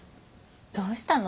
どうしたの？